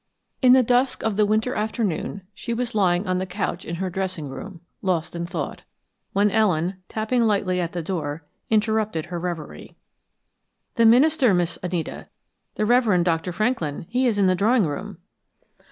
In the dusk of the winter afternoon she was lying on the couch in her dressing room, lost in thought, when Ellen, tapping lightly at the door, interrupted her reverie. "The minister, Miss Anita the Rev. Dr. Franklin he is in the drawing room."